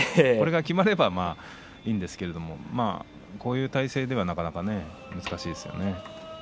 それがきまればいいんですけれどもこういう体勢ではなかなか難しいですね。